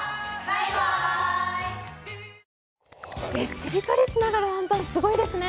しりとりしながら暗算、すごいですね。